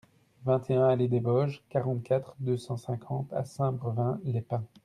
vingt et un allée des Vosges, quarante-quatre, deux cent cinquante à Saint-Brevin-les-Pins